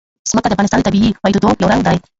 ځمکه د افغانستان د طبیعي پدیدو یو رنګ دی.